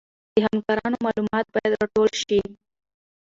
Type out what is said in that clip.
د همکارانو معلومات باید راټول شي.